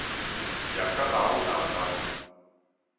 食甲老老老